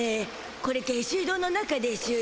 これ下水道の中でしゅよ。